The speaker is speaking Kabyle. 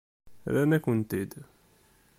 Rran-akent-t-id.